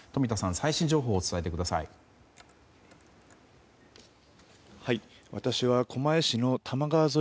最新情報を伝えてください。